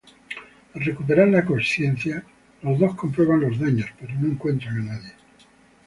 Al recuperar la consciencia, los dos comprueban los daños, pero no encuentran a nadie.